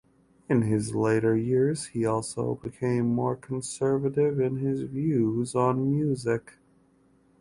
In his later years he also became more conservative in his views on music.